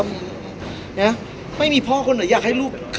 พี่อัดมาสองวันไม่มีใครรู้หรอก